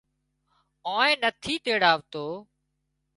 آنئين نٿِي تيڙاوتو